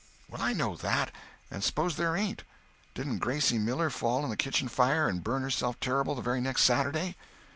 "Well, I know that. And suppose there ain't. Didn't Gracie Miller fall in the kitchen fire and burn herself terrible the very next Saturday?"